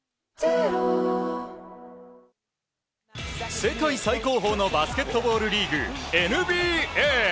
世界最高峰のバスケットボールリーグ、ＮＢＡ。